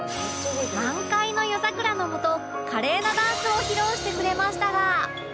満開の夜桜のもと華麗なダンスを披露してくれましたが